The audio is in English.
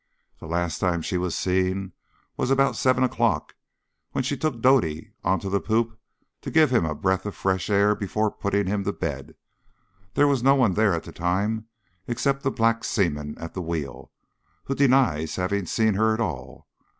The last time she was seen was about seven o'clock, when she took Doddy on to the poop to give him a breath of fresh air before putting him to bed. There was no one there at the time except the black seaman at the wheel, who denies having seen her at all.